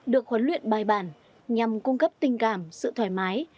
được huấn luyện bài bản nhằm cung cấp tình cảm sự thoải mái